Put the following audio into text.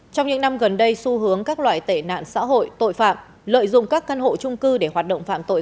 trong những năm gần đây xu hướng các loại tệ nạn xã hội tội phạm lợi dụng các căn hộ trung cư để hoạt động phạm tội